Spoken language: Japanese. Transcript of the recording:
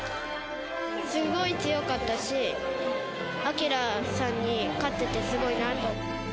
すごい強かったし、明さんに勝ててすごいなと。